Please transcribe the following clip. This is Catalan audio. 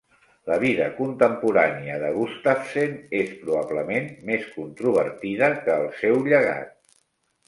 La vida contemporània de Gustavsen és, probablement, més controvertida que el seu llegat.